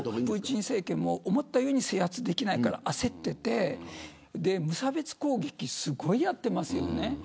プーチン政権も思ったように制圧できないから焦ってて無差別攻撃すごいやってますね。